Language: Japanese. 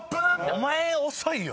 お前遅いよ！